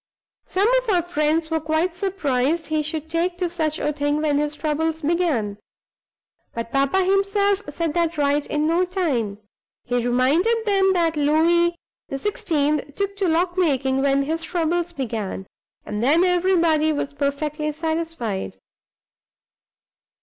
Some of our friends were quite surprised he should take to such a thing when his troubles began. But papa himself set that right in no time; he reminded them that Louis the Sixteenth took to lock making when his troubles began, and then everybody was perfectly satisfied."